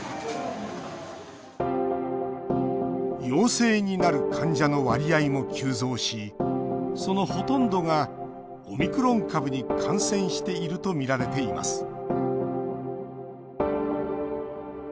陽性になる患者の割合も急増しそのほとんどがオミクロン株に感染しているとみられています